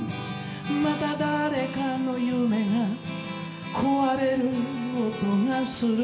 「また誰かの夢がこわれる音がする」